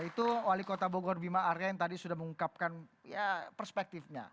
itu wali kota bogor bima arya yang tadi sudah mengungkapkan perspektifnya